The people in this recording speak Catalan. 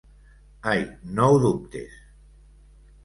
Ai, no ho dubtes.